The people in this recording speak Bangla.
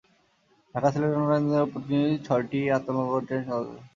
ঢাকা-সিলেট-চট্টগ্রাম রুটে প্রতিদিন ছয়টি আন্তঃনগর ট্রেন চলাচল করে।